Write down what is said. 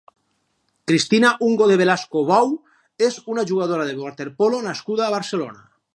Cristina Ungo de Velasco Bou és una jugadora de waterpolo nascuda a Barcelona.